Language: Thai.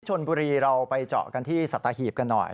ชนบุรีเราไปเจาะกันที่สัตหีบกันหน่อย